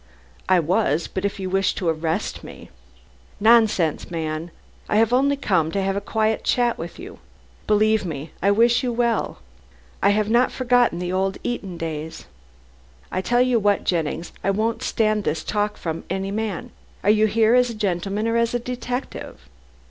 "I was, but if you wish to arrest me " "Nonsense, man. I have only come to have a quiet chat with you. Believe me, I wish you well. I have not forgotten the old Eton days." "I tell you what, Jennings, I won't stand this talk from any man. Are you here as a gentleman or as a detective?"